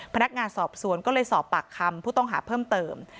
พนักงานสอบสวนก็เลยสอบปากคำผู้ต้องหาเพิ่มเติม